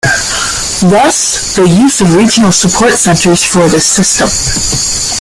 Thus, the use of regional support centers for this system.